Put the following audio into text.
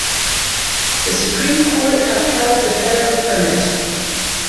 The Supreme Court upheld the federal permit.